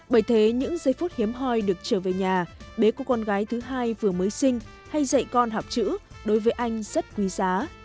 bởi thế những giây phút hiếm hoi được trở về nhà bế cô con gái thứ hai vừa mới sinh hay dạy con học chữ đối với anh rất quý giá